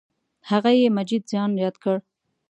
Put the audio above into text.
هغه یې مجید جان یاد کړ.